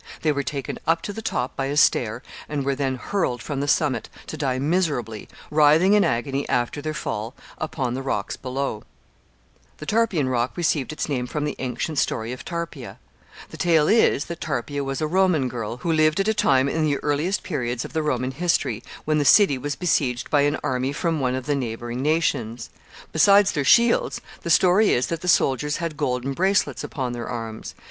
They were taken up to the top by a stair, and were then hurled from the summit, to die miserably, writhing in agony after their fall, upon the rocks below. [Sidenote: The story of Tarpeia.] [Sidenote: Subterranean passages.] The Tarpeian Rock received its name from the ancient story of Tarpeia. The tale is, that Tarpeia was a Roman girl, who lived at a time in the earliest periods of the Roman history, when the city was besieged by an army from are of the neighboring nations. Besides their shields, the story is that the soldiers had golden bracelets upon their arms.